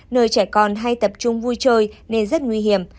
nơi trẻ con hay tập trung vui chơi nên rất nguy hiểm